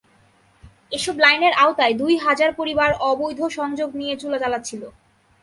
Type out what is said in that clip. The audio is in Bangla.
এসব লাইনের আওতায় দুই হাজার পরিবার অবৈধ সংযোগ নিয়ে চুলা জ্বালাচ্ছিল।